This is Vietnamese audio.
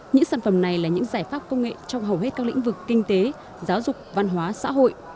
những sản phẩm này là những giải pháp công nghệ trong hầu hết các lĩnh vực kinh tế giáo dục văn hóa xã hội